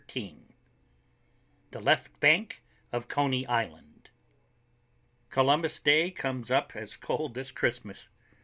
] THE LEFT BANK OF CONEY ISLAND Columbus Day comes up as cold as Christmas.